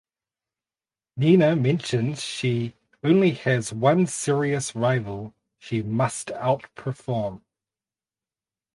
Nina mentions she only has one serious rival she must outperform.